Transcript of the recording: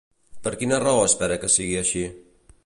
Per quina raó espera que sigui així?